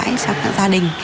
trong các giáo dục